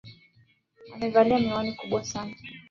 Amevalia miwani kubwa sana.